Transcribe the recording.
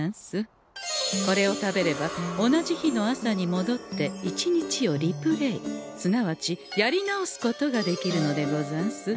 これを食べれば同じ日の朝にもどって一日をリプレイすなわちやり直すことができるのでござんす。